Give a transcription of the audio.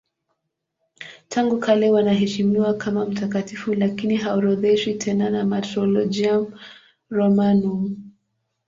Tangu kale wanaheshimiwa kama mtakatifu lakini haorodheshwi tena na Martyrologium Romanum.